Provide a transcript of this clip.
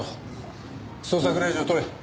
捜索令状取れ。